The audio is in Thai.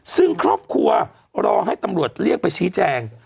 ซึ่งครอบครัวรอให้ตำรวจเรียกไปชี้แจง